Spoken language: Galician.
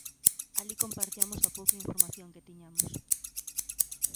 Alí compartiamos a pouca información que tiñamos.